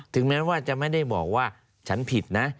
แม้ว่าจะไม่ได้บอกว่าฉันผิดนะ